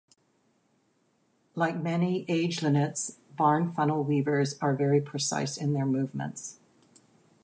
Like many agelenids, barn funnel weavers are very precise in their movements.